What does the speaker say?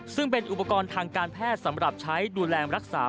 ซึ่งเป็นอุปกรณ์ทางการแพทย์สำหรับใช้ดูแลรักษา